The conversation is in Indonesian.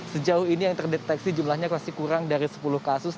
sejauh ini yang terdeteksi jumlahnya masih kurang dari sepuluh kasus